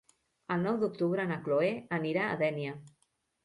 El nou d'octubre na Cloè anirà a Dénia.